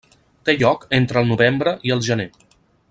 Té lloc entre el novembre i el gener.